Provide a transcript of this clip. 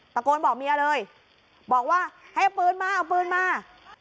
ตะโกนบอกเมียเลยบอกว่าให้เอาปืนมาเอาปืนมา